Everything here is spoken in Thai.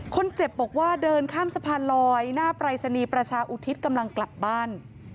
คนเจ็บบอกว่าเดินข้ามสะพานลอยหน้าปรายศนีย์ประชาอุทิศกำลังกลับบ้าน